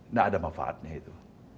nggak ada manfaatnya itu